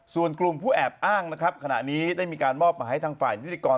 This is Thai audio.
ส่วนกลุ่มผู้แอบอ้างนะครับขณะนี้ได้มีการมอบมาให้ทางฝ่ายนิติกร